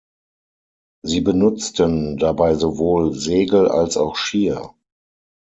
Sie benutzten dabei sowohl Segel als auch Skier.